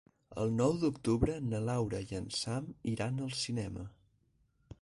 El nou d'octubre na Laura i en Sam iran al cinema.